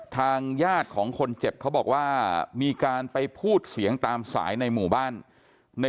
ทางญาติของคนเจ็บเขาบอกว่ามีการไปพูดเสียงตามสายในหมู่บ้านใน